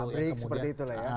pabrik seperti itu lah ya